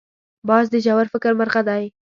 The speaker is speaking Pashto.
باز د ژور فکر مرغه دی